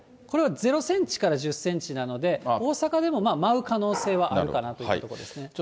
これは０センチから１０センチなので、大阪でも舞う可能性はあるかなというところですね。